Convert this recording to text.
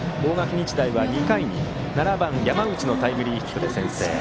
日大は２回に７番、山内のタイムリーヒットで先制。